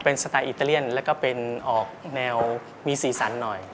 เป็นสไตล์อิตาเลียนแล้วก็เป็นออกแนวมีสีสันหน่อย